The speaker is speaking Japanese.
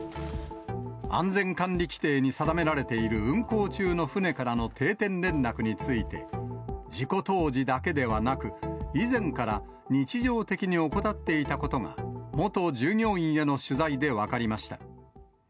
安全管理規程に定められている運航中の船からの定点連絡について、事故当時だけではなく、以前から日常的に怠っていたことが、元従業員への取材で分かりました。